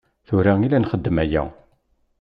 Tura i la nxeddem aya.